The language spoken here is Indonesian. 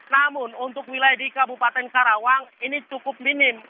namun untuk wilayah di kabupaten karawang ini cukup minim